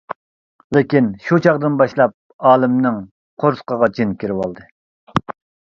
لېكىن شۇ چاغدىن باشلاپ ئالىمنىڭ قورسىقىغا جىن كىرىۋالدى.